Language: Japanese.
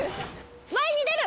前に出る！